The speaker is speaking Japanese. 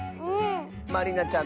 まりなちゃん